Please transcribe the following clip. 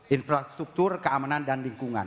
infrastruktur keamanan dan lingkungan